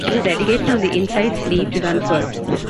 It was dedicated on the inside sleeve to Dunford.